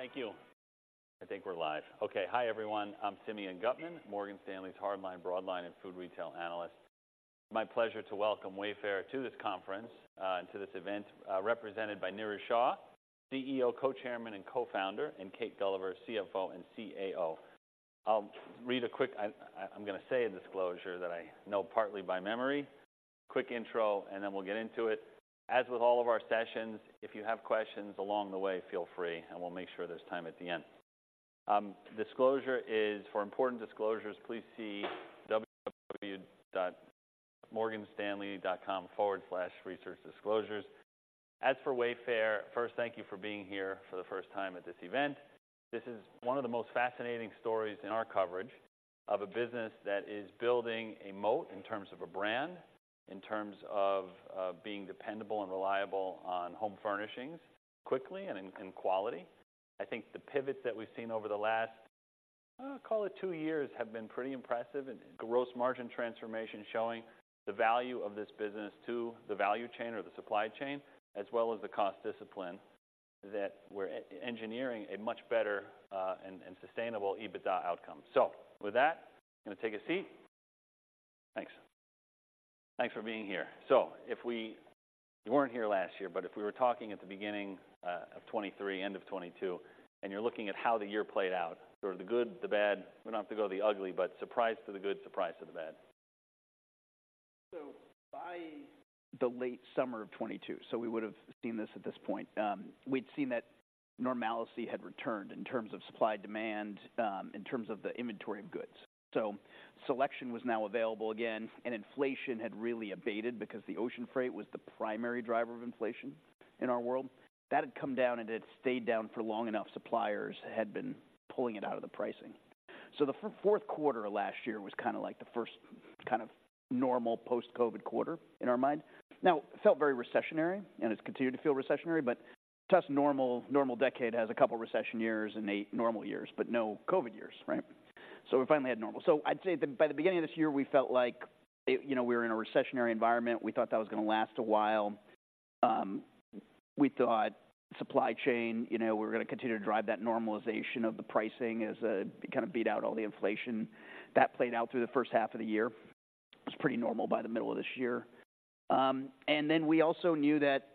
Thank you. I think we're live. Okay, hi, everyone. I'm Simeon Gutman, Morgan Stanley's Hardline, Broadline, and Food Retail analyst. It's my pleasure to welcome Wayfair to this conference, and to this event, represented by Niraj Shah, CEO, Co-Chairman, and Co-Founder, and Kate Gulliver, CFO and CAO. I'm gonna say a disclosure that I know partly by memory, a quick intro, and then we'll get into it. As with all of our sessions, if you have questions along the way, feel free, and we'll make sure there's time at the end. Disclosure is, for important disclosures, please see www.morganstanley.com/researchdisclosures. As for Wayfair, first, thank you for being here for the first time at this event. This is one of the most fascinating stories in our coverage of a business that is building a moat in terms of a brand, in terms of being dependable and reliable on home furnishings quickly and in quality. I think the pivots that we've seen over the last, call it two years, have been pretty impressive, and gross margin transformation showing the value of this business to the value chain or the supply chain, as well as the cost discipline, that we're re-engineering a much better, and sustainable EBITDA outcome. So with that, I'm gonna take a seat. Thanks. Thanks for being here. So if we... You weren't here last year, but if we were talking at the beginning of 2023, end of 2022, and you're looking at how the year played out, sort of the good, the bad, we don't have to go the ugly, but surprise to the good, surprise to the bad. So by the late summer of 2022, so we would've seen this at this point, we'd seen that normalcy had returned in terms of supply-demand, in terms of the inventory of goods. So selection was now available again, and inflation had really abated because the ocean freight was the primary driver of inflation in our world. That had come down, and it stayed down for long enough. Suppliers had been pulling it out of the pricing. So the fourth quarter of last year was kind of like the first kind of normal post-COVID quarter in our mind. Now, it felt very recessionary, and it's continued to feel recessionary, but to us, normal, normal decade has a couple recession years and eight normal years, but no COVID years, right? So we finally had normal. So I'd say that by the beginning of this year, we felt like, you know, we were in a recessionary environment. We thought that was gonna last a while. We thought supply chain, you know, we're gonna continue to drive that normalization of the pricing as it kind of beat out all the inflation. That played out through the first half of the year. It was pretty normal by the middle of this year. And then we also knew that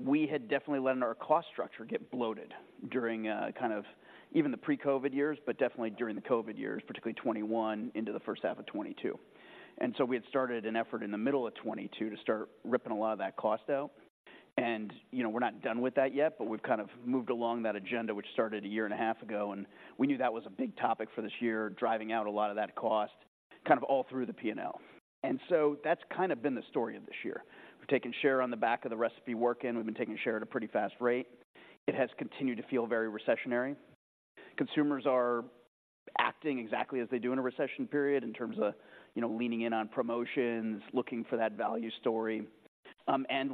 we had definitely let our cost structure get bloated during, kind of even the pre-COVID years, but definitely during the COVID years, particularly 2021 into the first half of 2022. We had started an effort in the middle of 2022 to start ripping a lot of that cost out, and, you know, we're not done with that yet, but we've kind of moved along that agenda, which started a year and a half ago, and we knew that was a big topic for this year, driving out a lot of that cost, kind of all through the P&L. That's kind of been the story of this year. We've taken share on the back of the recipe work, and we've been taking share at a pretty fast rate. It has continued to feel very recessionary. Consumers are acting exactly as they do in a recession period in terms of, you know, leaning in on promotions, looking for that value story.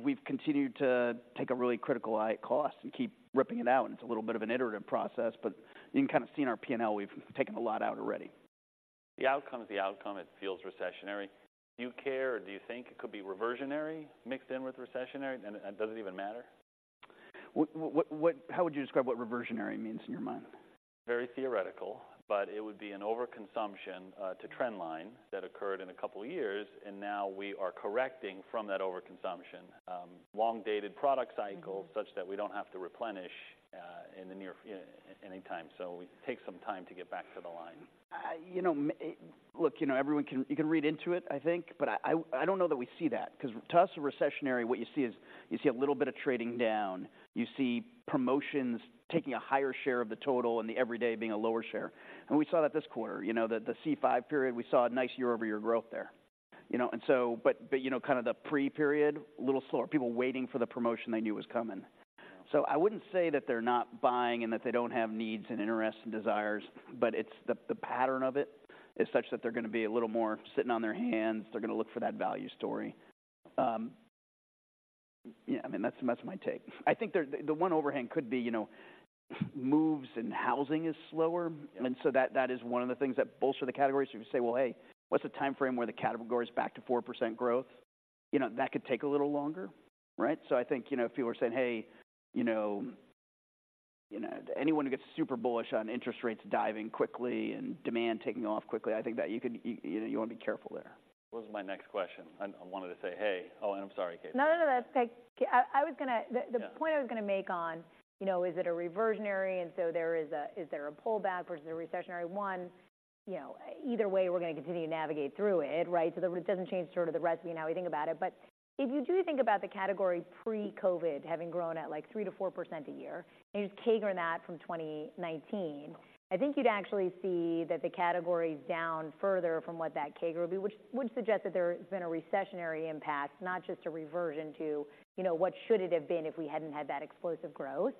We've continued to take a really critical eye at cost and keep ripping it out, and it's a little bit of an iterative process, but you can kind of see in our P&L, we've taken a lot out already. The outcome is the outcome. It feels recessionary. Do you care, or do you think it could be reversionary mixed in with recessionary, and, and does it even matter? What, what, how would you describe what reversionary means in your mind? Very theoretical, but it would be an overconsumption to trend line that occurred in a couple of years, and now we are correcting from that overconsumption. Long-dated product cycles, such that we don't have to replenish in the near anytime. So it takes some time to get back to the line. You know, look, you know, everyone can, you can read into it, I think, but I don't know that we see that, because to us, a recessionary, what you see is, you see a little bit of trading down, you see promotions taking a higher share of the total and the everyday being a lower share. And we saw that this quarter, you know, the C5 period, we saw a nice year-over-year growth there. You know, and so but, but, you know, kind of the pre-period, a little slower, people waiting for the promotion they knew was coming. Yeah. So I wouldn't say that they're not buying and that they don't have needs, interests, and desires, but it's the pattern of it is such that they're going to be a little more sitting on their hands. They're going to look for that value story. Yeah, I mean, that's my take. I think the one overhang could be, you know, moves in housing is slower, and so that is one of the things that bolster the category. So you say, well, hey, what's the time frame where the category is back to 4% growth? You know, that could take a little longer, right? So I think, you know, if people are saying, "Hey, you know, anyone who gets super bullish on interest rates diving quickly and demand taking off quickly," I think that you could, you wanna be careful there. What was my next question? I, I wanted to say, hey... Oh, and I'm sorry, Kate. No, no, no. It's okay. I was gonna- Yeah. The point I was gonna make on, you know, is it a reversionary, and so there is a, is there a pullback versus a recessionary one? You know, either way, we're gonna continue to navigate through it, right? So it doesn't change sort of the recipe, and how we think about it. But if you do think about the category pre-COVID, having grown at, like, 3%-4% a year, and you CAGR that from 2019, I think you'd actually see that the category is down further from what that CAGR would be, which would suggest that there has been a recessionary impact, not just a reversion to, you know, what should it have been if we hadn't had that explosive growth.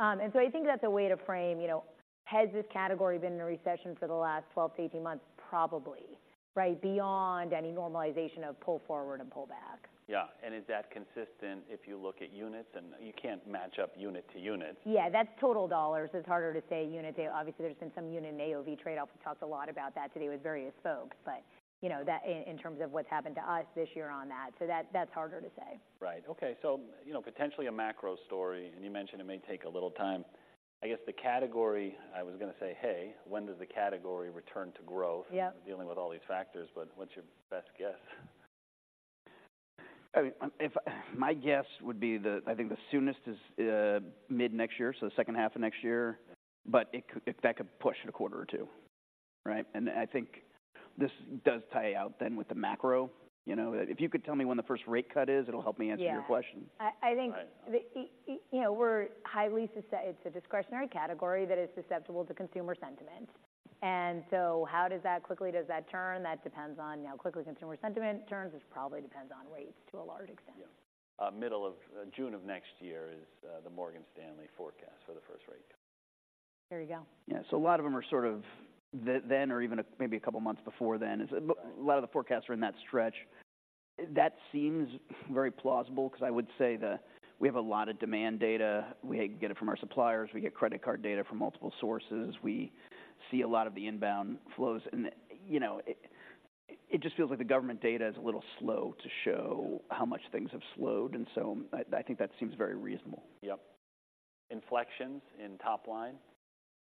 and so I think that's a way to frame, you know, has this category been in a recession for the last 12-18 months? Probably, right? Beyond any normalization of pull forward and pull back. Yeah. Is that consistent if you look at units? You can't match up unit to unit. Yeah, that's total dollars. It's harder to say unit. Obviously, there's been some unit and AOV trade-off. We've talked a lot about that today with various folks, but you know that in terms of what's happened to us this year on that, so that's harder to say. Right. Okay, so, you know, potentially a macro story, and you mentioned it may take a little time. I guess the category, I was gonna say, hey, when does the category return to growth? Yeah. Dealing with all these factors, but what's your best guess? I mean, if my guess would be that I think the soonest is mid-next year, so the second half of next year, but it could, that could push it a quarter or two, right? And I think this does tie out then with the macro, you know. If you could tell me when the first rate cut is, it'll help me answer your question. Yeah. I think- Right You know, we're highly susceptible. It's a discretionary category that is susceptible to consumer sentiment, and so how does that, quickly does that turn? That depends on how quickly consumer sentiment turns, which probably depends on rates to a large extent. Yeah. Middle of June of next year is the Morgan Stanley forecast for the first rate cut. There you go. Yeah, so a lot of them are sort of then or even maybe a couple months before then. But a lot of the forecasts are in that stretch. That seems very plausible, 'cause I would say that we have a lot of demand data. We get it from our suppliers, we get credit card data from multiple sources. We see a lot of the inbound flows, and, you know, it just feels like the government data is a little slow to show how much things have slowed, and so I think that seems very reasonable. Yep. Inflections in top line.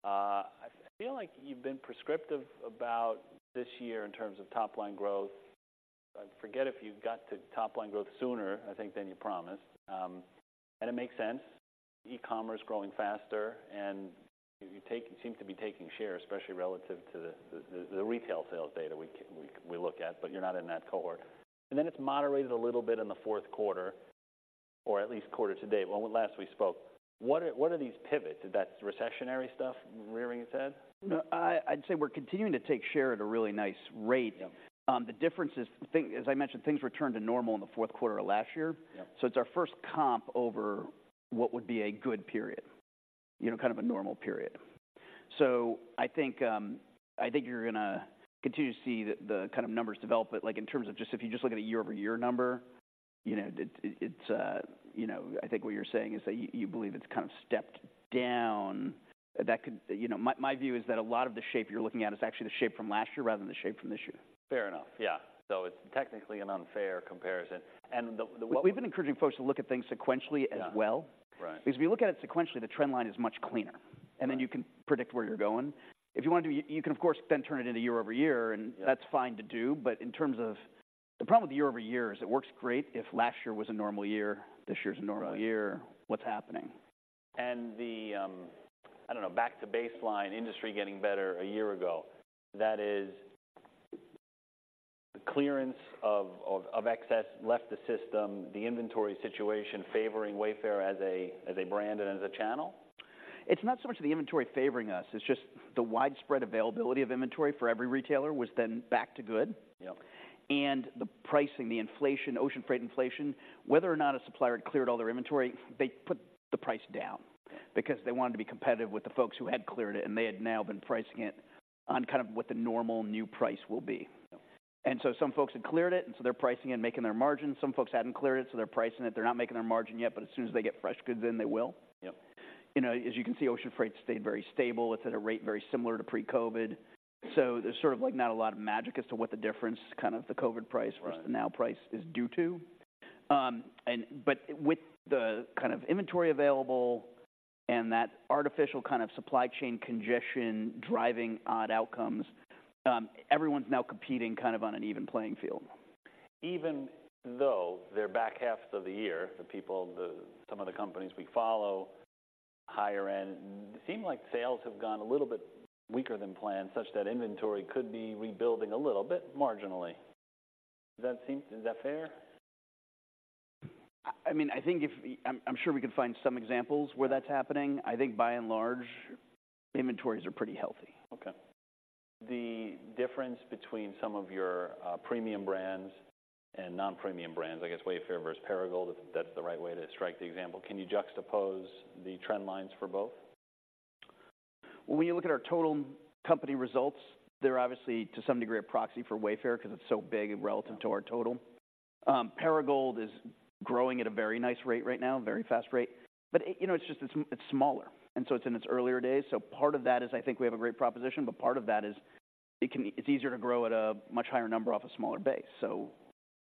I feel like you've been prescriptive about this year in terms of top line growth. I forget if you got to top line growth sooner, I think, than you promised. And it makes sense, e-commerce growing faster, and you're taking... You seem to be taking share, especially relative to the retail sales data we look at, but you're not in that cohort. And then it's moderated a little bit in the fourth quarter, or at least quarter to date. Well, last we spoke, what are these pivots? Is that recessionary stuff rearing its head? No, I'd say we're continuing to take share at a really nice rate. Yeah. The difference is, as I mentioned, things returned to normal in the fourth quarter of last year. Yep. So it's our first comp over what would be a good period, you know, kind of a normal period. So I think you're gonna continue to see the kind of numbers develop, but, like, in terms of just if you just look at a year-over-year number, you know, it's... You know, I think what you're saying is that you believe it's kind of stepped down. That could, you know, my view is that a lot of the shape you're looking at is actually the shape from last year rather than the shape from this year. Fair enough. Yeah. So it's technically an unfair comparison, and the- We've been encouraging folks to look at things sequentially as well. Yeah. Right. Because if you look at it sequentially, the trend line is much cleaner- Right And then you can predict where you're going. If you want to, you can, of course, then turn it into year-over-year, and- Yeah That's fine to do, but in terms of... The problem with year-over-year is it works great if last year was a normal year, this year's a normal year. Right. What's happening? I don't know, back to baseline industry getting better a year ago, that is, clearance of excess left the system, the inventory situation favoring Wayfair as a brand and as a channel? It's not so much the inventory favoring us, it's just the widespread availability of inventory for every retailer was then back to good. Yep. The pricing, the inflation, ocean freight inflation, whether or not a supplier had cleared all their inventory, they put the price down because they wanted to be competitive with the folks who had cleared it, and they had now been pricing it on kind of what the normal new price will be. Yep. And so some folks had cleared it, and so they're pricing it and making their margin. Some folks hadn't cleared it, so they're pricing it. They're not making their margin yet, but as soon as they get fresh goods in, they will. Yep. You know, as you can see, ocean freight stayed very stable. It's at a rate very similar to pre-COVID. So there's sort of, like, not a lot of magic as to what the difference, kind of the COVID price- Right Versus the now price is due to. With the kind of inventory available and that artificial kind of supply chain congestion driving odd outcomes, everyone's now competing kind of on an even playing field. Even though their back half of the year, some of the companies we follow, higher end, it seemed like sales have gone a little bit weaker than planned, such that inventory could be rebuilding a little bit marginally. Does that seem... Is that fair? I mean, I think if, I'm sure we could find some examples where that's happening. Yeah. I think by and large, inventories are pretty healthy. Okay. The difference between some of your premium brands, and non-premium brands, I guess Wayfair versus Perigold, if that's the right way to strike the example, can you juxtapose the trend lines for both? When you look at our total company results, they're obviously, to some degree, a proxy for Wayfair because it's so big and relative to our total. Yeah. Perigold is growing at a very nice rate right now, very fast rate, but, you know, it's just, it's smaller, and so it's in its earlier days. So part of that is I think we have a great proposition, but part of that is it can be, it's easier to grow at a much higher number off a smaller base. So,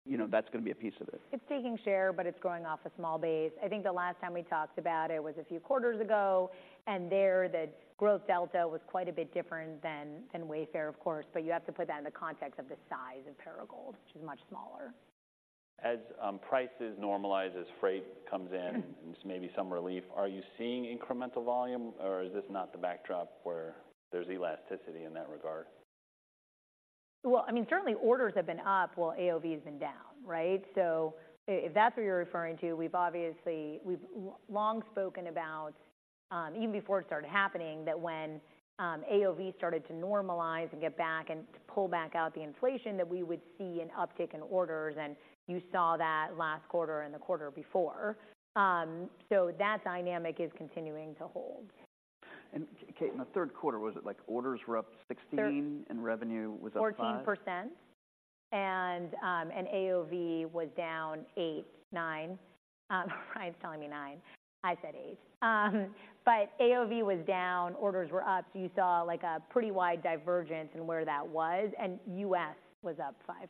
you know- Yeah That's gonna be a piece of it. It's taking share, but it's growing off a small base. I think the last time we talked about it was a few quarters ago, and there, the growth delta was quite a bit different than Wayfair, of course, but you have to put that in the context of the size of Perigold, which is much smaller. As prices normalize, as freight comes in, and maybe some relief, are you seeing incremental volume, or is this not the backdrop where there's elasticity in that regard? Well, I mean, certainly orders have been up while AOV has been down, right? So if that's what you're referring to, we've obviously, we've long spoken about, even before it started happening, that when AOV started to normalize and get back and to pull back out the inflation, that we would see an uptick in orders, and you saw that last quarter, and the quarter before. So that dynamic is continuing to hold. Kate, in the third quarter, was it like orders were up 16- Third- Revenue was up 5? 14%, and, and AOV was down eight, nine. Ryan's telling me nine. I said eight. But AOV was down, orders were up, so you saw, like, a pretty wide divergence in where that was, and US was up 5%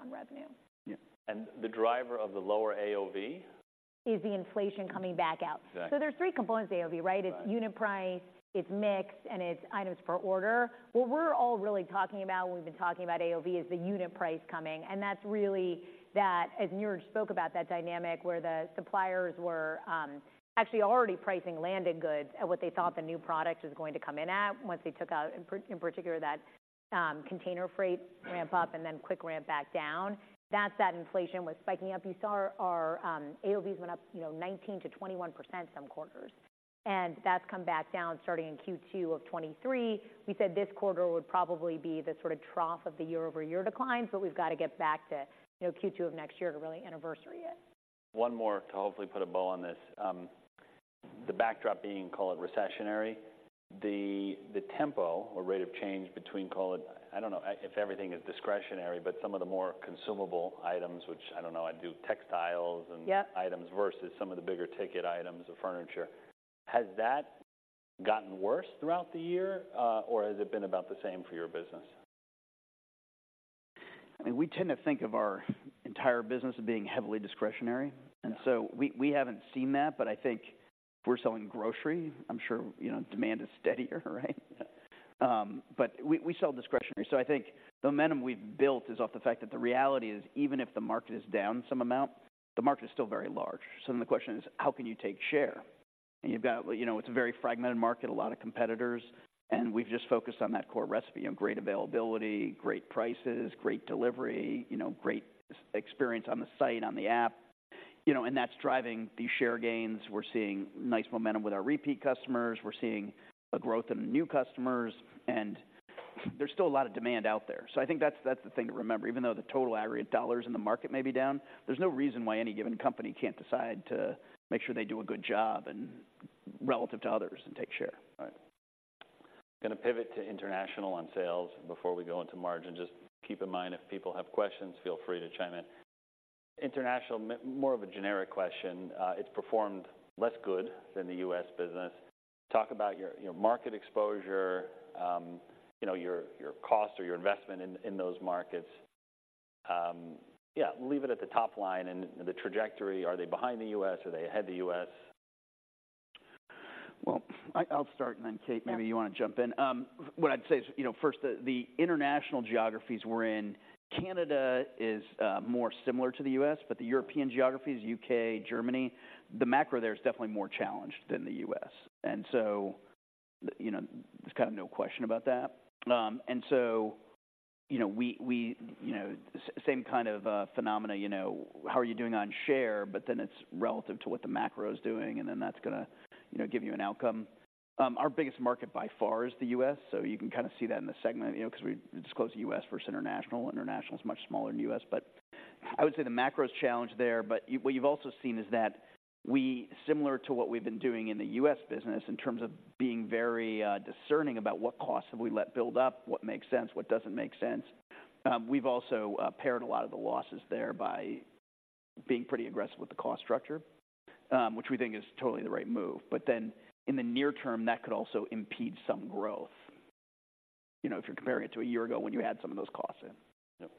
on revenue. Yeah. The driver of the lower AOV? Is the inflation coming back out? Exactly. So there's three components to AOV, right? Right. It's unit price, it's mix, and it's items per order. What we're all really talking about when we've been talking about AOV is the unit price coming, and that's really that, as Niraj spoke about, that dynamic where the suppliers were actually already pricing landed goods at what they thought the new product was going to come in at once they took out, in particular, that container freight- Right Ramp up and then quick ramp back down. That's that inflation was spiking up. You saw our AOVs went up, you know, 19%-21% some quarters, and that's come back down starting in Q2 of 2023. We said this quarter would probably be the sort of trough of the year-over-year declines, but we've got to get back to, you know, Q2 of next year to really anniversary it. One more to hopefully put a bow on this. The backdrop being, call it, recessionary, the tempo or rate of change between, call it... I don't know, if everything is discretionary, but some of the more consumable items which, I don't know, I do textiles and- Yeah Items versus some of the bigger-ticket items or furniture. Has that gotten worse throughout the year, or has it been about the same for your business? I mean, we tend to think of our entire business as being heavily discretionary, and so- Yeah We haven't seen that, but I think we're selling grocery. I'm sure, you know, demand is steadier, right? But we sell discretionary. So I think the momentum we've built is off the fact that the reality is even if the market is down some amount, the market is still very large. So then the question is: How can you take share? And you've got, you know, it's a very fragmented market, a lot of competitors, and we've just focused on that core recipe, you know, great availability, great prices, great delivery, you know, great site experience on the site, on the app. You know, and that's driving the share gains. We're seeing nice momentum with our repeat customers. We're seeing a growth in the new customers, and there's still a lot of demand out there. So I think that's the thing to remember. Even though the total aggregate dollars in the market may be down, there's no reason why any given company can't decide to make sure they do a good job and relative to others, and take share. Right. Gonna pivot to international on sales before we go into margin. Just keep in mind, if people have questions, feel free to chime in. International, more of a generic question. It's performed less good than the U.S. business. Talk about your, your market exposure, you know, your, your cost, or your investment in those markets. Yeah, leave it at the top line and the trajectory. Are they behind the U.S.? Are they ahead of the U.S.? Well, I'll start, and then, Kate- Yeah Maybe you want to jump in. What I'd say is, you know, first, the international geographies we're in, Canada is more similar to the U.S., but the European geographies, U.K., Germany, the macro there is definitely more challenged than the U.S. And so, you know, we same kind of phenomena, you know, how are you doing on share? But then it's relative to what the macro is doing, and then that's gonna, you know, give you an outcome. Our biggest market by far is the U.S., so you can kind of see that in the segment, you know, because we disclose the U.S. versus international. International is much smaller than U.S., but I would say the macro's a challenge there. But you, what you've also seen is that we—similar to what we've been doing in the US business, in terms of being very, discerning about what costs have we let build up, what makes sense, what doesn't make sense, we've also, pared a lot of the losses there by being pretty aggressive with the cost structure, which we think is totally the right move. But then, in the near term, that could also impede some growth, you know, if you're comparing it to a year ago when you had some of those costs in. Yep.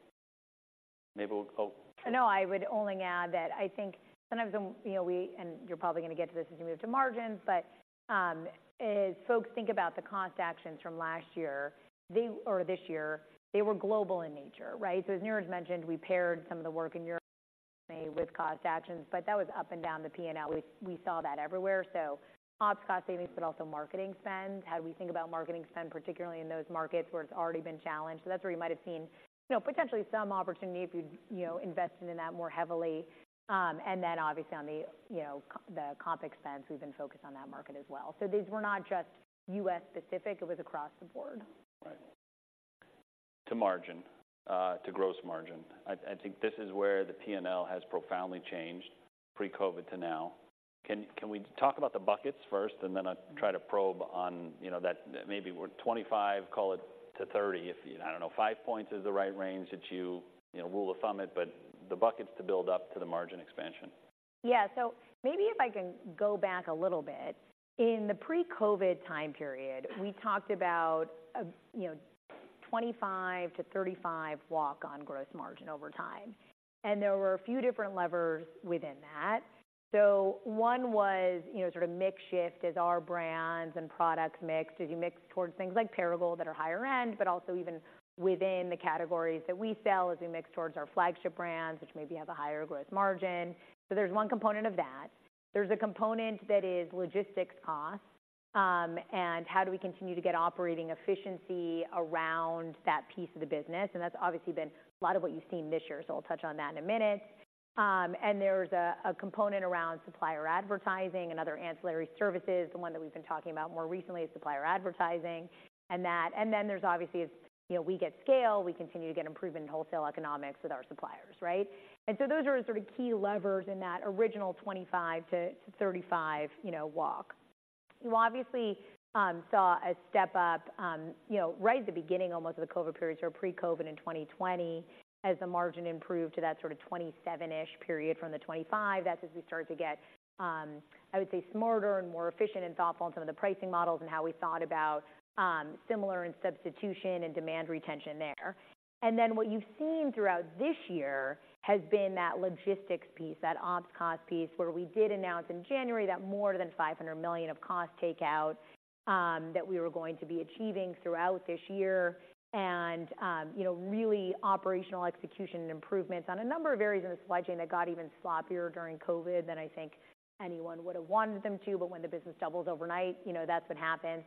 Maybe we'll... Oh, sure. No, I would only add that I think sometimes, you know, and you're probably gonna get to this as we move to margins, but, as folks think about the cost actions from last year, they... or this year, they were global in nature, right? So as Niraj mentioned, we paired some of the work in Europe with cost actions, but that was up and down the PNL. We saw that everywhere, so op cost savings, but also marketing spend. How do we think about marketing spend, particularly in those markets where it's already been challenged? So that's where you might have seen, you know, potentially some opportunity if you'd, you know, invested in that more heavily. And then obviously on the, you know, the comp expense, we've been focused on that market as well. So these were not just U.S.-specific. It was across the board. Right. To margin, to gross margin. I think this is where the PNL has profoundly changed pre-COVID to now. Can we talk about the buckets first, and then I'll try to probe on, you know, that maybe we're 25, call it, to 30. If I don't know, five points is the right range that you, you know, rule of thumb it, but the buckets to build up to the margin expansion. Yeah, so maybe if I can go back a little bit. In the pre-COVID time period, we talked about, you know, 25-35 walk on gross margin over time, and there were a few different levers within that. So one was, you know, sort of mix shift as our brands and products mixed. As you mix towards things like Perigold, that are higher end, but also even within the categories that we sell, as we mix towards our flagship brands, which maybe have a higher gross margin. So there's one component of that. There's a component that is logistics cost, and how do we continue to get operating efficiency around that piece of the business, and that's obviously been a lot of what you've seen this year, so I'll touch on that in a minute. And there's a component around supplier advertising, and other ancillary services. The one that we've been talking about more recently is supplier advertising and that. And then there's obviously, as you know, we get scale, we continue to get improvement in wholesale economics with our suppliers, right? And so those are sort of key levers in that original 25-35, you know, walk. You obviously saw a step-up, you know, right at the beginning, almost, of the COVID period, so pre-COVID in 2020, as the margin improved to that sort of 27-ish period from the 25. That's as we started to get smarter, and more efficient and thoughtful on some of the pricing models, and how we thought about similar in substitution and demand retention there. And then what you've seen throughout this year has been that logistics piece, that ops cost piece, where we did announce in January that more than $500 million of cost takeout that we were going to be achieving throughout this year. And you know, really operational execution, and improvements on a number of areas in the supply chain that got even sloppier during COVID than I think anyone would have wanted them to. But when the business doubles overnight, you know, that's what happens.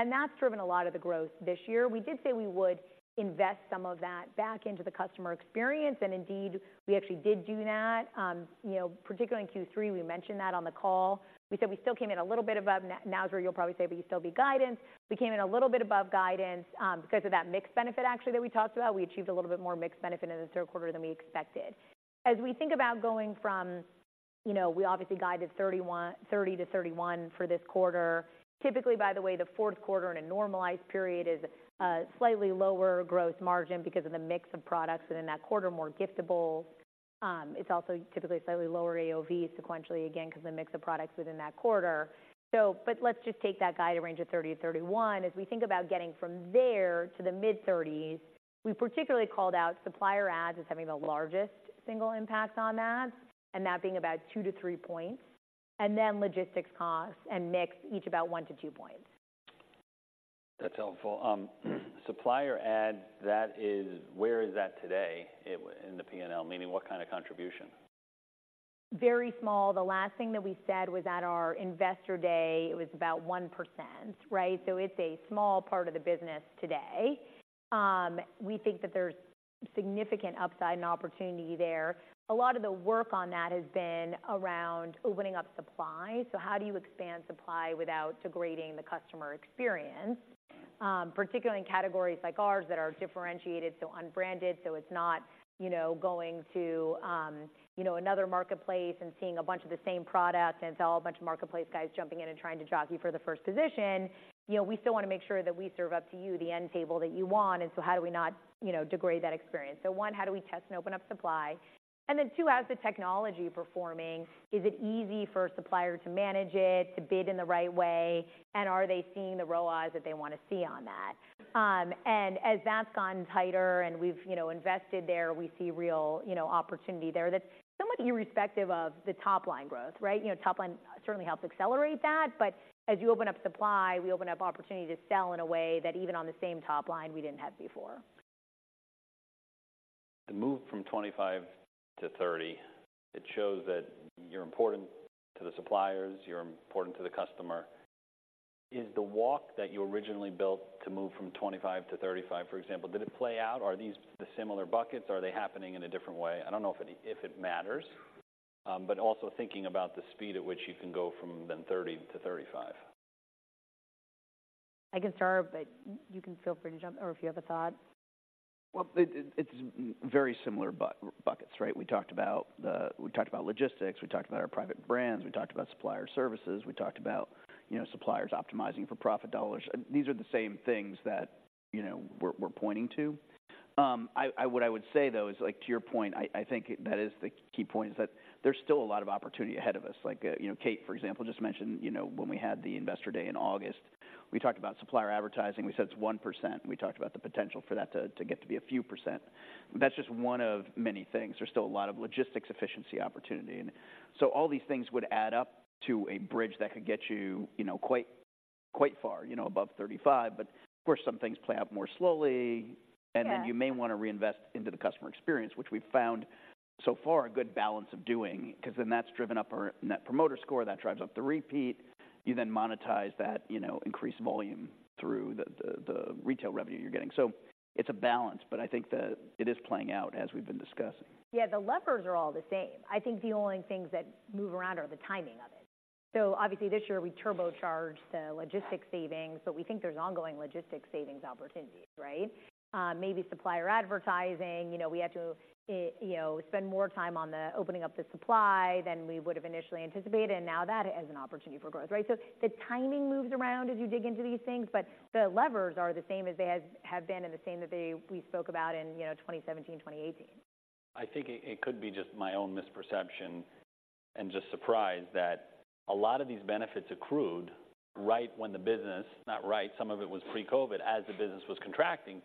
And that's driven a lot of the growth this year. We did say we would invest some of that back into the customer experience, and indeed, we actually did do that. You know, particularly in Q3, we mentioned that on the call. We said we still came in a little bit above. Now's where you'll probably say, "But you still beat guidance." We came in a little bit above guidance because of that mix benefit, actually, that we talked about. We achieved a little bit more mix benefit in the third quarter than we expected. As we think about going from, you know, we obviously guided 30%-31% for this quarter. Typically, by the way, the fourth quarter in a normalized period is slightly lower gross margin because of the mix of products, and in that quarter, more giftable. It's also typically a slightly lower AOV sequentially, again, because of the mix of products within that quarter. So but let's just take that guide range of 30%-31%. As we think about getting from there to the mid-thirties, we particularly called out supplier ads as having the largest single impact on that, and that being about 2-3 points, and then logistics costs, and mix, each about 1-2 points. That's helpful. Supplier ad, that is, where is that today in the P&L? Meaning, what kind of contribution? Very small. The last thing that we said was at our Investor Day, it was about 1%, right? So it's a small part of the business today. We think that there's significant upside and opportunity there. A lot of the work on that has been around opening up supply. So how do you expand supply without degrading the customer experience? Particularly in categories like ours, that are differentiated, so unbranded, so it's not, you know, going to, you know, another marketplace and seeing a bunch of the same products, and so a bunch of marketplace guys jumping in and trying to jockey for the first position. You know, we still want to make sure that we serve up to you the end table that you want, and so how do we not, you know, degrade that experience? So one, how do we test and open up supply? And then two, how's the technology performing? Is it easy for a supplier to manage it, to bid in the right way, and are they seeing the ROIs that they want to see on that? And as that's gotten tighter, and we've, you know, invested there, we see real, you know, opportunity there that's somewhat irrespective of the top-line growth, right? You know, top line certainly helps accelerate that, but as you open up supply, we open up opportunity to sell in a way that even on the same top line, we didn't have before. The move from 25 to 30, it shows that you're important to the suppliers, you're important to the customer. Is the walk that you originally built to move from 25 to 35, for example, did it play out? Are these the similar buckets? Are they happening in a different way? I don't know if it, if it matters, but also thinking about the speed at which you can go from then 30 to 35. I can start, but you can feel free to jump in or if you have a thought. Well, it's very similar buckets, right? We talked about logistics, we talked about our private brands, we talked about supplier services, we talked about, you know, suppliers optimizing for profit dollars. These are the same things that, you know, we're pointing to. What I would say, though, is, like, to your point, I think that is the key point, is that there's still a lot of opportunity ahead of us. Like, you know, Kate, for example, just mentioned, you know, when we had the Investor Day in August, we talked about supplier advertising. We said it's 1%, and we talked about the potential for that to get to be a few percent. But that's just one of many things. There's still a lot of logistics efficiency opportunity, and so all these things would add up to a bridge that could get you, you know, quite, quite far, you know, above 35. But of course, some things play out more slowly- Yeah And then you may want to reinvest into the customer experience, which we've found so far a good balance of doing, because then that's driven up our Net Promoter Score, that drives up the repeat. You then monetize that, you know, increased volume through the retail revenue you're getting. So it's a balance, but I think that it is playing out, as we've been discussing. Yeah, the levers are all the same. I think the only things that move around are the timing of it. So obviously, this year we turbocharged the logistics savings, but we think there's ongoing logistics savings opportunities, right? Maybe supplier advertising, you know, we had to, you know, spend more time on the opening up the supply than we would have initially anticipated, and now that is an opportunity for growth, right? So the timing moves around as you dig into these things, but the levers are the same as they have been, and the same that we spoke about in, you know, 2017, 2018. I think it could be just my own misperception and just surprise that a lot of these benefits accrued right when the business... Not right, some of it was pre-COVID, as the business was contracting,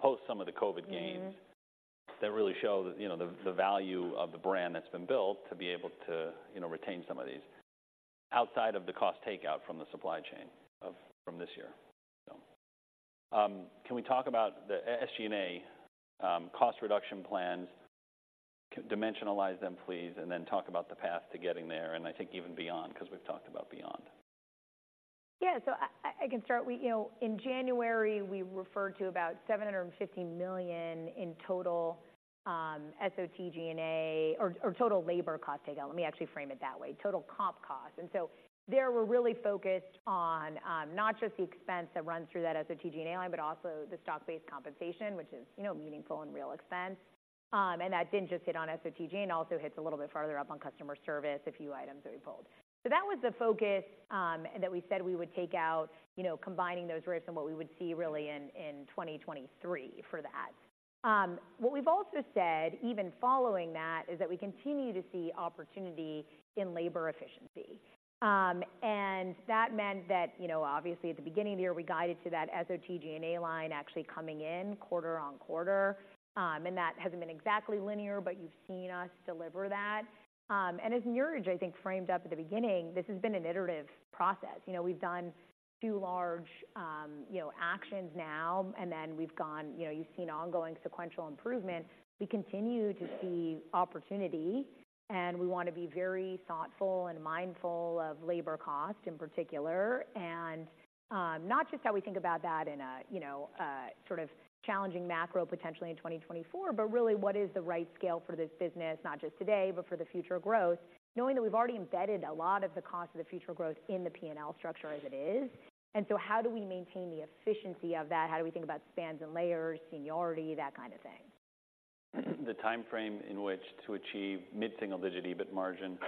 post some of the COVID gains- Mm-hmm That really show that, you know, the value of the brand that's been built to be able to, you know, retain some of these outside of the cost takeout from the supply chain from this year. Can we talk about the SG&A cost reduction plans? Dimensionalize them, please, and then talk about the path to getting there, and I think even beyond, because we've talked about beyond. Yeah. So I can start. We, you know, in January, we referred to about $750 million in total SG&A, or total labor cost takeout. Let me actually frame it that way, total comp cost. And so there, we're really focused on not just the expense that runs through that SG&A line, but also the stock-based compensation, which is, you know, meaningful and real expense. And that didn't just hit on SG&A, and also hits a little bit farther up on customer service, a few items that we pulled. So that was the focus that we said we would take out, you know, combining those risks and what we would see really in 2023 for that. What we've also said, even following that, is that we continue to see opportunity in labor efficiency. That meant that, you know, obviously, at the beginning of the year, we guided to that SG&A line actually coming in quarter-over-quarter. That hasn't been exactly linear, but you've seen us deliver that. As Niraj, I think, framed up at the beginning, this has been an iterative process. You know, we've done two large, you know, actions now, and then we've gone, you know, you've seen ongoing sequential improvement. We continue to see opportunity, and we want to be very thoughtful and mindful of labor cost in particular, and, not just how we think about that in, you know, a sort of challenging macro, potentially in 2024, but really, what is the right scale for this business, not just today, but for the future growth, knowing that we've already embedded a lot of the cost of the future growth in the P&L structure as it is. And so how do we maintain the efficiency of that? How do we think about spans and layers, seniority, that kind of thing? The timeframe in which to achieve mid-single-digit EBIT margin,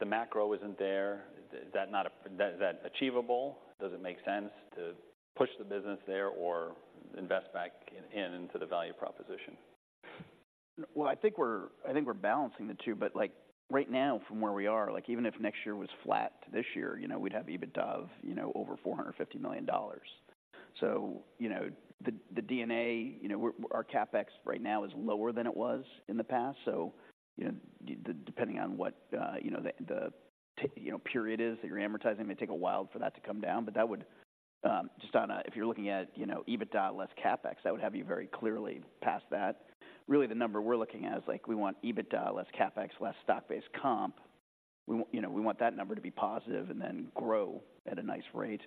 the macro isn't there. Is that achievable? Does it make sense to push the business there or invest back into the value proposition? Well, I think we're balancing the two, but like right now, from where we are, like even if next year was flat to this year, you know, we'd have EBITDA of you know over $450 million. So you know the DNA you know we're our CapEx right now is lower than it was in the past. So you know depending on what you know the period is that you're amortizing, it may take a while for that to come down, but that would just on a... If you're looking at you know EBITDA less CapEx, that would have you very clearly past that. Really, the number we're looking at is like we want EBITDA less CapEx, less stock-based comp. We, you know, we want that number to be positive and then grow at a nice rate.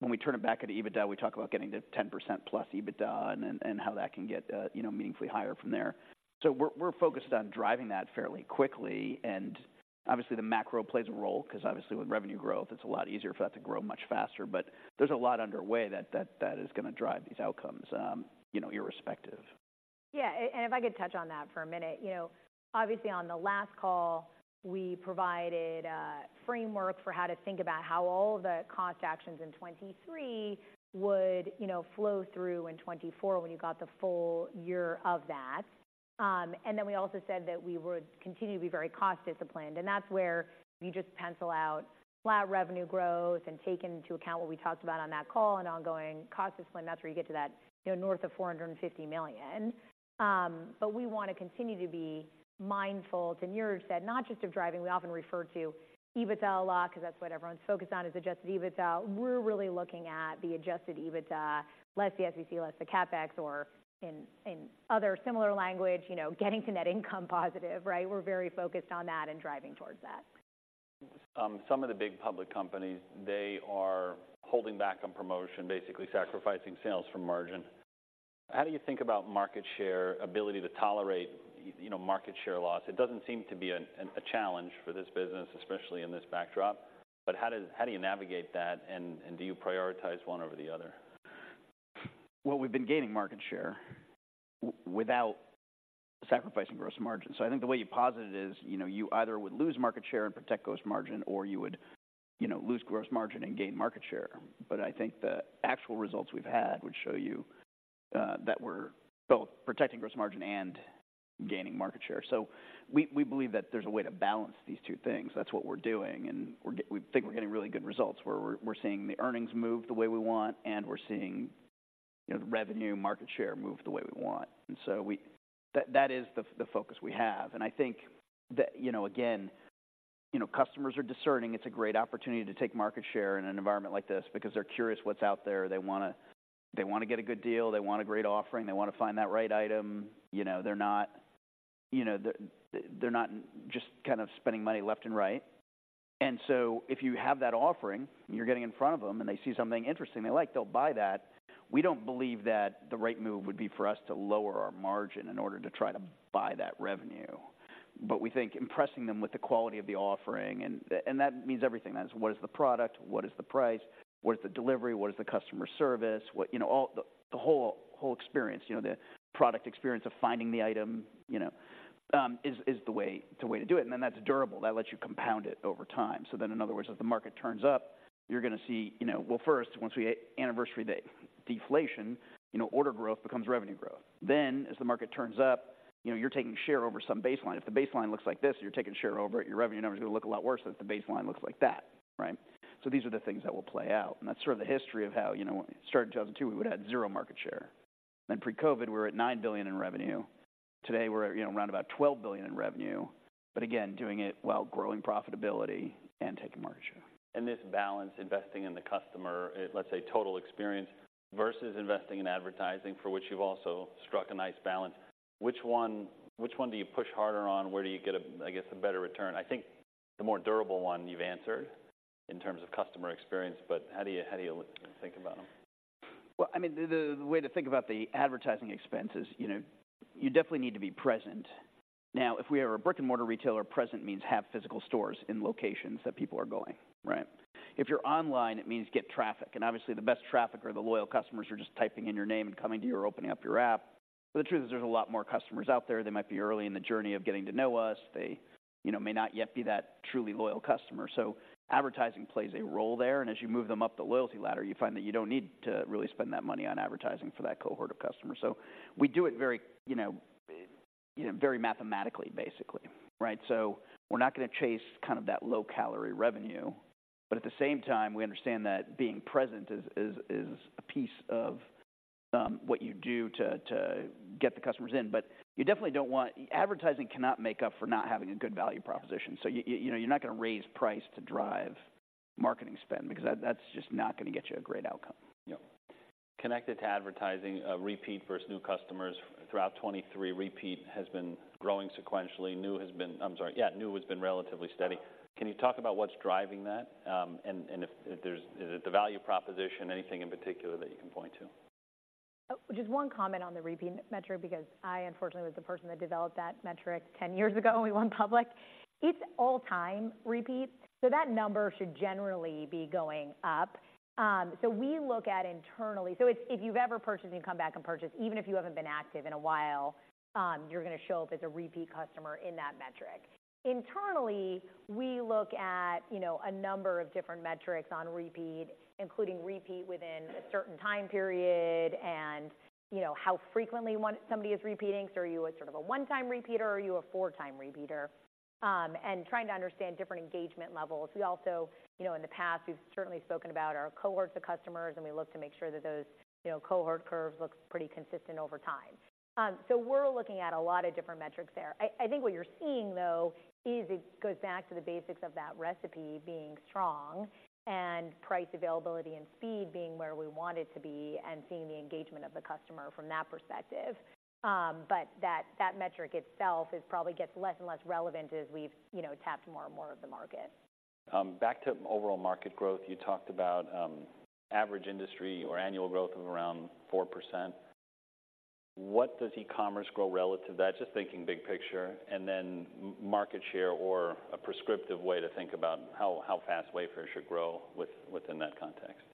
When we turn it back into EBITDA, we talk about getting to 10%+ EBITDA and then, and how that can get, you know, meaningfully higher from there. So we're focused on driving that fairly quickly, and obviously, the macro plays a role because obviously, with revenue growth, it's a lot easier for that to grow much faster, but there's a lot underway that is gonna drive these outcomes, you know, irrespective. Yeah, and if I could touch on that for a minute. You know, obviously, on the last call, we provided a framework for how to think about how all the cost actions in 2023 would, you know, flow through in 2024 when you got the full year of that. And then we also said that we would continue to be very cost disciplined, and that's where you just pencil out flat revenue growth, and take into account what we talked about on that call and ongoing cost discipline. That's where you get to that, you know, north of $450 million. But we want to continue to be mindful, as Niraj said, not just of driving. We often refer to EBITDA a lot because that's what everyone's focused on, is adjusted EBITDA. We're really looking at the adjusted EBITDA, less the SBC, less the CapEx, or in other similar language, you know, getting to net income positive, right? We're very focused on that and driving towards that. Some of the big public companies, they are holding back on promotion, basically sacrificing sales from margin. How do you think about market share, ability to tolerate, you know, market share loss? It doesn't seem to be a challenge for this business, especially in this backdrop. But how do you navigate that, and do you prioritize one over the other? Well, we've been gaining market share without sacrificing gross margin. So I think the way you posit it is, you know, you either would lose market share, and protect gross margin, or you would, you know, lose gross margin and gain market share. But I think the actual results we've had would show you that we're both protecting gross margin and gaining market share. So we, we believe that there's a way to balance these two things. That's what we're doing, and we're getting really good results, where we're, we're seeing the earnings move the way we want, and we're seeing, you know, the revenue market share move the way we want. And so we... That, that is the, the focus we have, and I think that, you know, again, you know, customers are discerning. It's a great opportunity to take market share in an environment like this because they're curious what's out there. They wanna, they wanna get a good deal, they want a great offering, they wanna find that right item. You know, they're not, you know, they're, they're not just kind of spending money left and right. And so if you have that offering, and you're getting in front of them, and they see something interesting they like, they'll buy that. We don't believe that the right move would be for us to lower our margin in order to try to buy that revenue. But we think impressing them with the quality of the offering, and, and that means everything. That is, what is the product? What is the price? What is the delivery? What is the customer service? What... You know, the whole experience, you know, the product experience of finding the item, you know, is the way to do it, and then that's durable. That lets you compound it over time. So then, in other words, as the market turns up, you're gonna see, you know... Well, first, once we anniversary the deflation, you know, order growth becomes revenue growth. Then, as the market turns up, you know, you're taking share over some baseline. If the baseline looks like this, and you're taking share over it, your revenue number is going to look a lot worse than if the baseline looks like that, right? So these are the things that will play out, and that's sort of the history of how, you know, starting in 2002, we would add 0 market share. Pre-COVID, we were at $9 billion in revenue. Today, we're at, you know, around about $12 billion in revenue, but again, doing it while growing profitability and taking market share. This balance, investing in the customer, let's say, total experience versus investing in advertising, for which you've also struck a nice balance. Which one, which one do you push harder on? Where do you get a, I guess, a better return? I think the more durable one you've answered in terms of customer experience, but how do you, how do you think about them? Well, I mean, the way to think about the advertising expense is, you know, you definitely need to be present. Now, if we are a brick-and-mortar retailer, present means have physical stores in locations that people are going, right? If you're online, it means get traffic, and obviously, the best traffic are the loyal customers who are just typing in your name and coming to you or opening up your app. But the truth is, there's a lot more customers out there. They might be early in the journey of getting to know us. They, you know, may not yet be that truly loyal customer. So advertising plays a role there, and as you move them up the loyalty ladder, you find that you don't need to really spend that money on advertising for that cohort of customers. So we do it very, you know-... You know, very mathematically, basically, right? So we're not gonna chase kind of that low-calorie revenue, but at the same time, we understand that being present is a piece of what you do to get the customers in. But you definitely don't want. Advertising cannot make up for not having a good value proposition. So you know, you're not gonna raise price to drive marketing spend, because that's just not gonna get you a great outcome. Yeah. Connected to advertising, repeat versus new customers. Throughout 2023, repeat has been growing sequentially. New has been... I'm sorry, yeah, new has been relatively steady. Can you talk about what's driving that? And if there is, the value proposition, anything in particular that you can point to? Just one comment on the repeat metric, because I, unfortunately, was the person that developed that metric 10 years ago when we went public. It's all-time repeat, so that number should generally be going up. So we look at internally. So it's if you've ever purchased and come back and purchased, even if you haven't been active in a while, you're gonna show up as a repeat customer in that metric. Internally, we look at, you know, a number of different metrics on repeat, including repeat within a certain time period, and, you know, how frequently somebody is repeating. So are you a sort of a 1-time repeater, or are you a 4-time repeater? And trying to understand different engagement levels. We also... You know, in the past, we've certainly spoken about our cohorts of customers, and we look to make sure that those, you know, cohort curves look pretty consistent over time. So we're looking at a lot of different metrics there. I think what you're seeing, though, is it goes back to the basics of that recipe being strong and price availability, and speed being where we want it to be, and seeing the engagement of the customer from that perspective. But that metric itself, it probably gets less and less relevant as we've, you know, tapped more and more of the market. Back to overall market growth. You talked about average industry or annual growth of around 4%. What does e-commerce grow relative to that? Just thinking big picture, and then market share, or a prescriptive way to think about how fast Wayfair should grow within that context.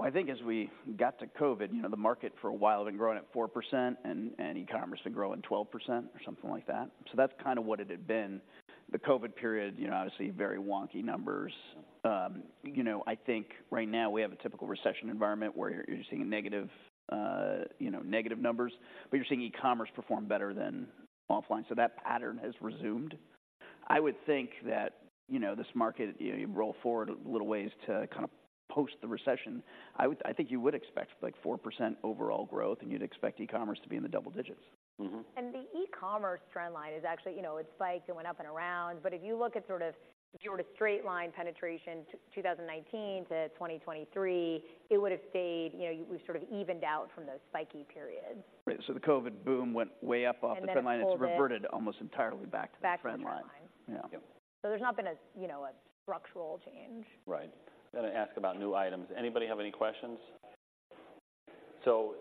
Well, I think as we got to COVID, you know, the market for a while had been growing at 4%, and e-commerce had grown at 12%, or something like that. So that's kind of what it had been. The COVID period, you know, obviously very wonky numbers. You know, I think right now we have a typical recession environment, where you're seeing a negative, you know, negative numbers, but you're seeing e-commerce perform better than offline, so that pattern has resumed. I would think that, you know, this market, you know, you roll forward little ways to kind of post the recession, I would—I think you would expect, like, 4% overall growth, and you'd expect e-commerce to be in the double digits. Mm-hmm. The e-commerce trend line is actually... You know, it spiked and went up and around, but if you look at if you were to straight-line penetration to 2019 to 2023, it would've stayed, you know, we've sort of evened out from those spiky periods. Right. So the COVID boom went way up off the trend line- And then it pulled back. It's reverted almost entirely back to the trend line. Back to the trend line. Yeah. Yeah. There's not been a, you know, a structural change. Right. I'm going to ask about new items. Anybody have any questions? So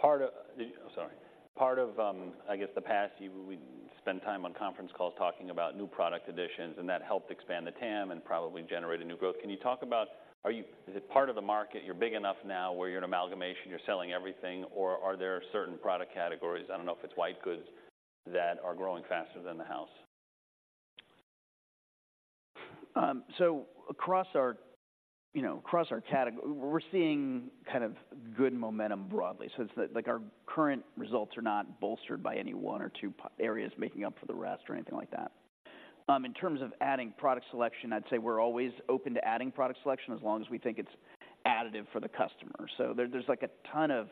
part of, I guess, the past year, we'd spend time on conference calls talking about new product additions, and that helped expand the TAM and probably generated new growth. Can you talk about, is it part of the market, you're big enough now, where you're an amalgamation, you're selling everything, or are there certain product categories, I don't know if it's white goods, that are growing faster than the house? So across our, you know, across our category, we're seeing kind of good momentum broadly. So it's like our current results are not bolstered by any one or two areas making up for the rest or anything like that. In terms of adding product selection, I'd say we're always open to adding product selection, as long as we think it's additive for the customer. So there, there's, like, a ton of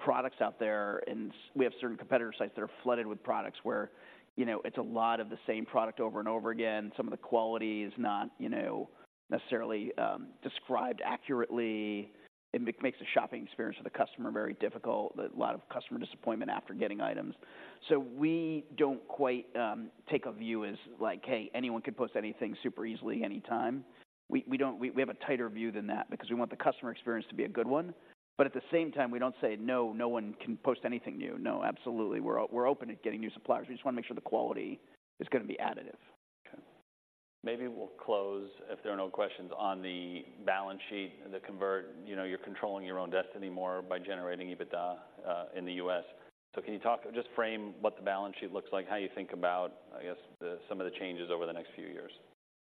products out there, and we have certain competitor sites that are flooded with products where, you know, it's a lot of the same product over and over again. Some of the quality is not, you know, necessarily described accurately. It makes the shopping experience for the customer very difficult, with a lot of customer disappointment after getting items. So we don't quite take a view as like, "Hey, anyone can post anything super easily, anytime." We don't. We have a tighter view than that because we want the customer experience to be a good one. But at the same time, we don't say, "No, no one can post anything new." No, absolutely, we're open to getting new suppliers. We just wanna make sure the quality is gonna be additive. Okay. Maybe we'll close, if there are no questions, on the balance sheet, the convert. You know, you're controlling your own destiny more by generating EBITDA in the U.S. So can you talk, just frame what the balance sheet looks like, how you think about, I guess, some of the changes over the next few years?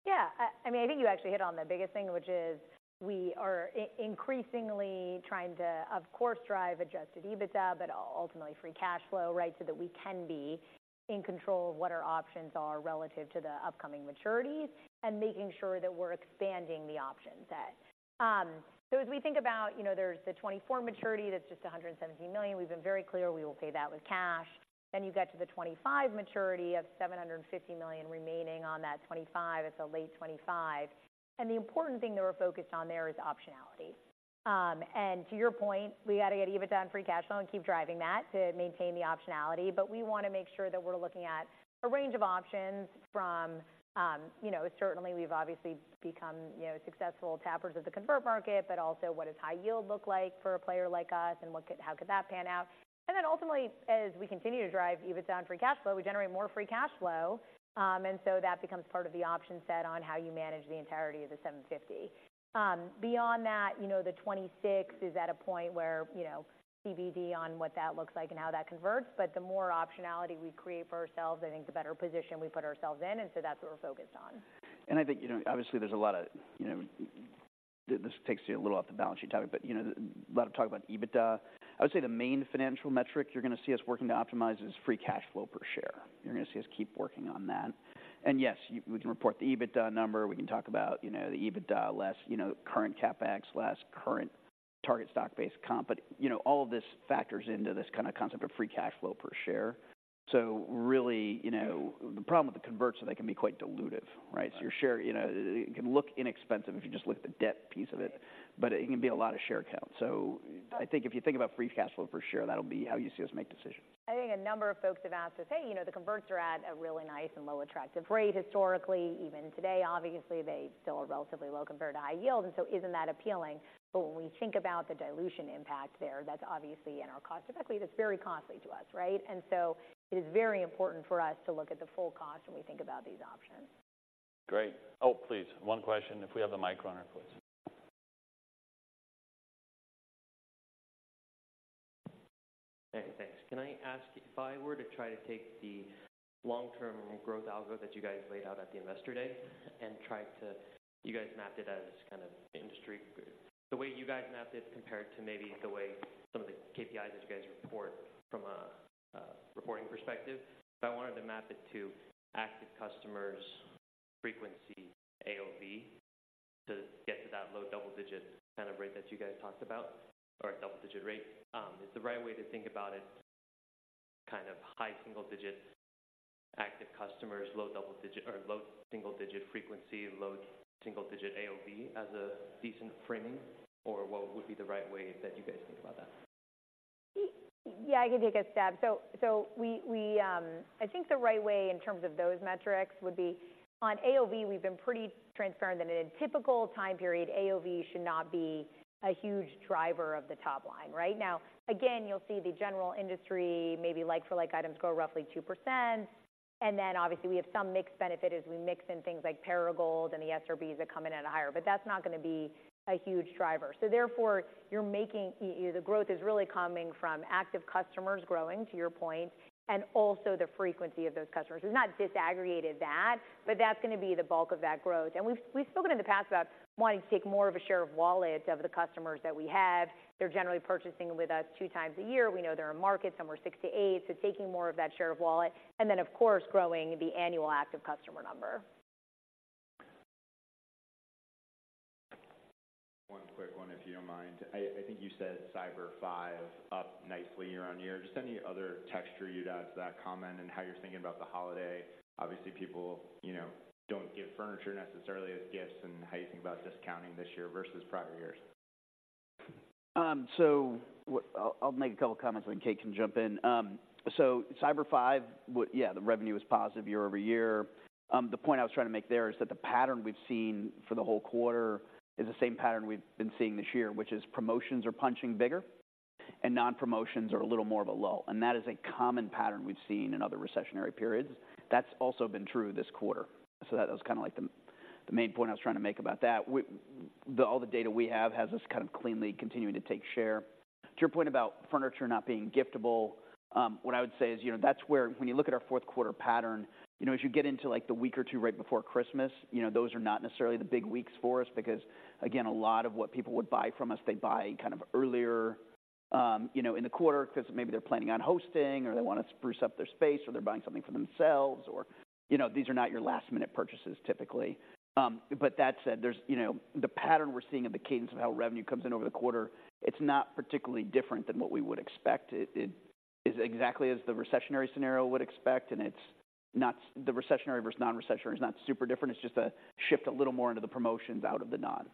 Yeah. I mean, I think you actually hit on the biggest thing, which is we are increasingly trying to, of course, drive adjusted EBITDA, but ultimately free cash flow, right? So that we can be in control of what our options are relative to the upcoming maturities and making sure that we're expanding the option set. So as we think about, you know, there's the 2024 maturity, that's just $117 million. We've been very clear we will pay that with cash. Then you get to the 2025 maturity of $750 million remaining on that 2025. It's a late 2025. And the important thing that we're focused on there is optionality. To your point, we gotta get EBITDA and free cash flow, and keep driving that to maintain the optionality, but we wanna make sure that we're looking at a range of options from. You know, certainly we've obviously become, you know, successful tappers of the convert market, but also, what does high yield look like for a player like us, and what could, how could that pan out? And then ultimately, as we continue to drive EBITDA and free cash flow, we generate more free cash flow, and so that becomes part of the option set on how you manage the entirety of the $750 million. Beyond that, you know, the 2026 is at a point where, you know, TBD on what that looks like and how that converts, but the more optionality we create for ourselves, I think the better position we put ourselves in, and so that's what we're focused on. And I think, you know, obviously there's a lot of, you know, This takes you a little off the balance sheet topic, but, you know, a lot of talk about EBITDA. I would say the main financial metric you're going to see us working to optimize is free cash flow per share. You're going to see us keep working on that. And yes, we can report the EBITDA number. We can talk about, you know, the EBITDA less, you know, current CapEx, less current target stock-based comp. But, you know, all of this factors into this kind of concept of free cash flow per share. So really, you know, the problem with the converts are they can be quite dilutive, right? Right. Your share, you know, it can look inexpensive if you just look at the debt piece of it, but it can be a lot of share count. I think if you think about free cash flow per share, that'll be how you see us make decisions. I think a number of folks have asked us, "Hey, you know, the converts are at a really nice and low, attractive rate historically. Even today, obviously, they still are relatively low compared to high yield, and so isn't that appealing?" But when we think about the dilution impact there, that's obviously in our cost of equity, that's very costly to us, right? And so it is very important for us to look at the full cost when we think about these options. Great. Oh, please, one question, if we have the mic on her, please. Hey, thanks. Can I ask, if I were to try to take the long-term growth algo that you guys laid out at the investor day and try to... You guys mapped it as kind of industry. The way you guys mapped it compared to maybe the way some of the KPIs that you guys report from a, reporting perspective. If I wanted to map it to active customers' frequency AOV to get to that low double digit kind of rate that you guys talked about, or a double digit rate, is the right way to think about it, kind of high single digit active customers, low double digit or low single digit frequency, low single digit AOV as a decent framing? Or what would be the right way that you guys think about that? Yeah, I can take a stab. So, I think the right way in terms of those metrics would be on AOV, we've been pretty transparent that in a typical time period, AOV should not be a huge driver of the top line. Right now, again, you'll see the general industry, maybe like for like items, grow roughly 2%. And then obviously, we have some mix benefit as we mix in things like Perigold and the SRBs that come in at a higher, but that's not going to be a huge driver. So therefore, the growth is really coming from active customers growing, to your point, and also the frequency of those customers. We've not disaggregated that, but that's going to be the bulk of that growth. And we've spoken in the past about wanting to take more of a share of wallet of the customers that we have. They're generally purchasing with us two times a year. We know there are markets, some are six to eight, so taking more of that share of wallet, and then, of course, growing the annual active customer number. One quick one, if you don't mind. I, I think you said Cyber Five up nicely year-over-year. Just any other texture you'd add to that comment and how you're thinking about the holiday? Obviously, people, you know, don't give furniture necessarily as gifts and how you think about discounting this year versus prior years. So what... I'll, I'll make a couple of comments, and Kate can jump in. So Cyber Five, yeah, the revenue is positive year-over-year. The point I was trying to make there is that the pattern we've seen for the whole quarter is the same pattern we've been seeing this year, which is promotions are punching bigger and non-promotions are a little more of a lull, and that is a common pattern we've seen in other recessionary periods. That's also been true this quarter. So that was kind of like the, the main point I was trying to make about that. All the data we have has us kind of cleanly continuing to take share. To your point about furniture not being giftable, what I would say is, you know, that's where when you look at our fourth quarter pattern, you know, as you get into, like, the week or two right before Christmas, you know, those are not necessarily the big weeks for us. Because, again, a lot of what people would buy from us, they buy kind of earlier, you know, in the quarter because maybe they're planning on hosting or they want to spruce up their space or they're buying something for themselves, or, you know, these are not your last-minute purchases, typically. But that said, there's, you know, the pattern we're seeing in the cadence of how revenue comes in over the quarter, it's not particularly different than what we would expect. It is exactly as the recessionary scenario would expect, and it's not, the recessionary versus non-recessionary is not super different. It's just a shift a little more into the promotions out of the non.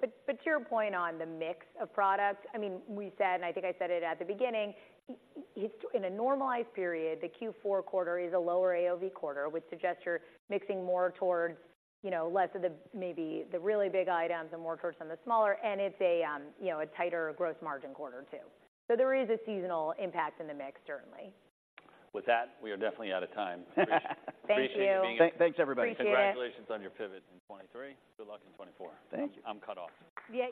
But, but to your point on the mix of product, I mean, we said, and I think I said it at the beginning, in a normalized period, the Q4 quarter is a lower AOV quarter, which suggests you're mixing more towards, you know, less of the, maybe the really big items and more towards some of the smaller. And it's a, you know, a tighter gross margin quarter, too. So there is a seasonal impact in the mix, certainly. With that, we are definitely out of time. Thank you. Thanks, everybody. Appreciate it. Congratulations on your pivot in 2023. Good luck in 2024. Thank you. I'm cut off. Yeah-